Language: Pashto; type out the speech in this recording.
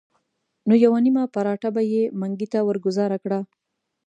نو یوه نیمه پراټه به یې منګي ته ورګوزاره کړه.